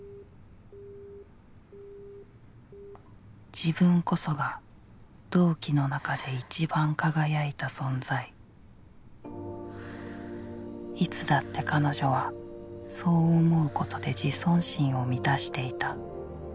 自分こそが同期の中で一番輝いた存在いつだって彼女はそう思うことで自尊心を満たしていた。